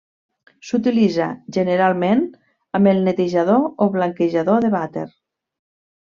S'utilitza generalment amb el netejador o blanquejador de vàter.